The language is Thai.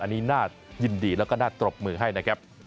อันนี้น่ายินดีแล้วก็น่าปรบมือให้นะครับ